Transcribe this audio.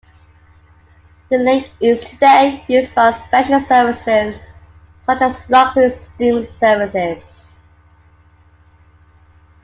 The link is today used by special services such as luxury steam services.